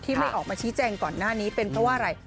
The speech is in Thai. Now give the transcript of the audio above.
ไม่ออกมาชี้แจงก่อนหน้านี้เป็นเพราะว่าอะไร